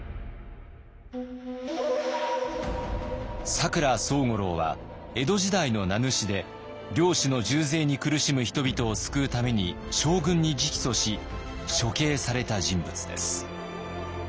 佐倉惣五郎は江戸時代の名主で領主の重税に苦しむ人々を救うために将軍に直訴し処刑された人物です。